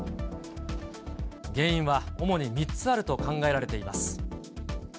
原因は主に３つあると考えられています。